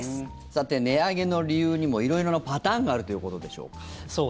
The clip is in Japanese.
さて、値上げの理由にも色々なパターンがあるということでしょうか。